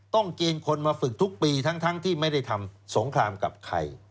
เกณฑ์คนมาฝึกทุกปีทั้งที่ไม่ได้ทำสงครามกับใคร